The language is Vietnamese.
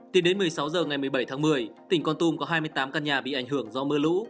tính đến một mươi sáu h ngày một mươi bảy tháng một mươi tỉnh con tum có hai mươi tám căn nhà bị ảnh hưởng do mưa lũ